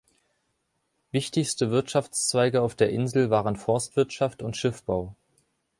Wichtigste Wirtschaftszweige auf der Insel waren Forstwirtschaft und Schiffbau.